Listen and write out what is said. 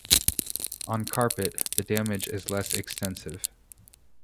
On carpet, the damage is less extensive.